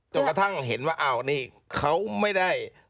จนกระทั้งถึงเห็นว่าเอานี่เขาไม่ได้